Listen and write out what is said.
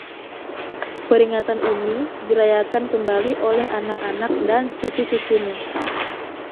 Peringatan ini dirayakan kembali oleh Anak-anak dan Cucu-cucunya.